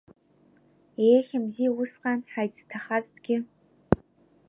Еиӷьымзи усҟан ҳаицҭахазҭгьы.